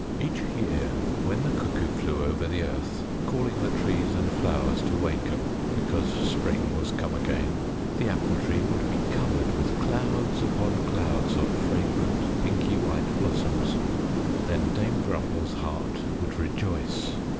Each year when the cuckoo flew over the earth, calling the trees and flowers to waken because spring was come again, the Apple Tree would be covered with clouds upon clouds of fragrant, pinky white blossoms. Then Dame Grumble's heart would rejoice.